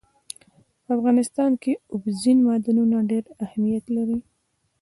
په افغانستان کې اوبزین معدنونه ډېر اهمیت لري.